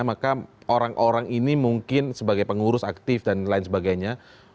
maka orang orang ini mungkin sebagai pengurus aktif dan lain sebagainya